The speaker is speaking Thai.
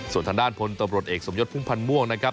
ส่วนทางด้านพลตำรวจเอกสมยศพุ่มพันธ์ม่วงนะครับ